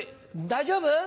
大丈夫？